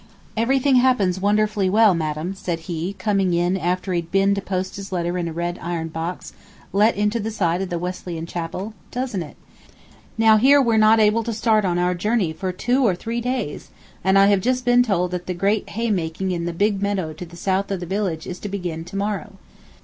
"Everything happens wonderfully well, madam," said he, coming in after he had been to post his letter in a red iron box let into the side of the Wesleyan chapel, "doesn't it? Now here we're not able to start on our journey for two or three days, and I have just been told that the great hay making in the big meadow to the south of the village is to begin to morrow.